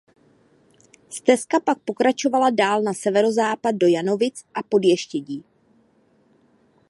Stezka pak pokračuje dál na severozápad do Janovic v Podještědí.